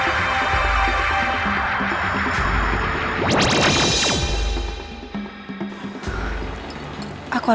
aku sudah mencari tau